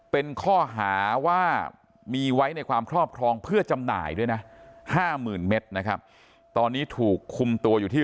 เป็นข้อหาว่ามีไว้ในความครอบครองเพื่อจำหน่ายด้วยนะ๕๐๐๐เมตรนะครับตอนนี้ถูกคุมตัวอยู่ที่